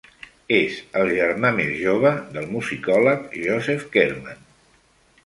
És el germà més jove del musicòleg Joseph Kerman.